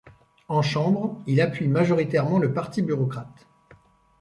En chambre, il appuie majoritairement le Parti bureaucrate.